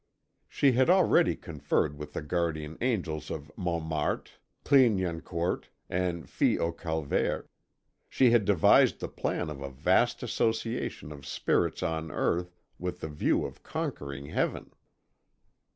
She had already conferred with the guardian angels of Montmartre, Clignancourt, and Filles du Calvaire. She had devised the plan of a vast association of Spirits on Earth with the view of conquering Heaven.